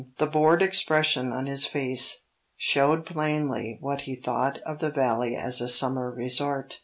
The bored expression on his face showed plainly what he thought of the Valley as a summer resort.